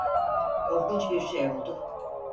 Korkunç bir şey oldu.